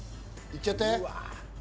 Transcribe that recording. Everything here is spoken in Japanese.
行っちゃって！